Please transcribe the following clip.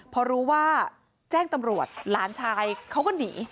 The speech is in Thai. พอรู้ว่าแจ้งตำรวจหลานชายเขาก็หนี